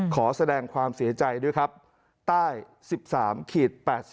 ขอแสดงความเสียใจด้วยครับใต้๑๓๘๒